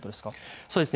そうですね。